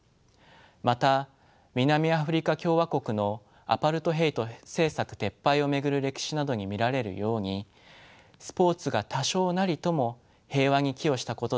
また南アフリカ共和国のアパルトヘイト政策撤廃を巡る歴史などに見られるようにスポーツが多少なりとも平和に寄与したことだってあります。